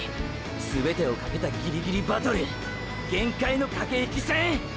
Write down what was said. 全てをかけたギリギリバトル限界のかけ引き戦。